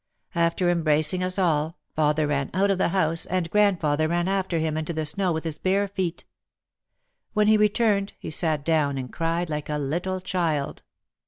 After embracing us all, father ran out of the house, and grand father ran after him into the snow with his bare feet. When he returned he sat down and cried like a little child.